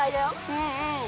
うんうん。